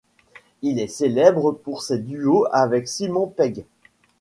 Il est célèbre pour ses duos avec Simon Pegg.